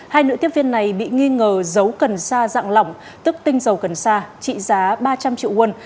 hai nữ tiếp viên này bị nghi ngờ giấu cần xa dạng lỏng tức tinh dầu cần xa trị giá ba trăm linh triệu won